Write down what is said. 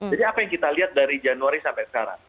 jadi apa yang kita lihat dari januari sampai sekarang